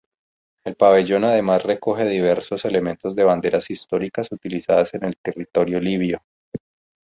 El pabellón además recoge diversos elementos de banderas históricas utilizadas en el territorio libio.